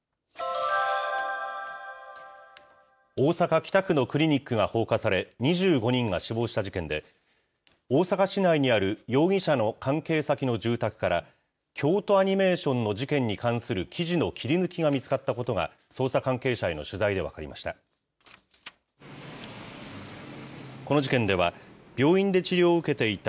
大阪・北区のクリニックが放火され、２５人が死亡した事件で、大阪市内にある容疑者の関係先の住宅から京都アニメーションの事件に関する記事の切り抜きが見つかったことが捜査関係者への取材で分かりました。